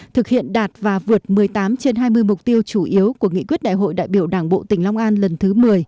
thực hiện đạt và vượt một mươi tám trên hai mươi mục tiêu chủ yếu của nghị quyết đại hội đại biểu đảng bộ tỉnh long an lần thứ một mươi